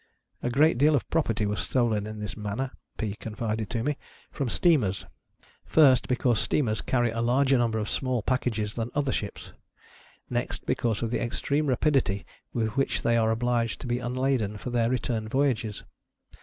A great deal of property was stolen in this manner (Pea con fided to me) from steamers ; first, because steamers carry a larger number of small packages than other ships ; next, because of the extreme rapidity with which they are obliged to be unladen for their return voyages.